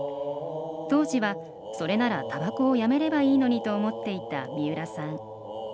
当時は「それならたばこをやめればいいのに」と思っていた三浦さん。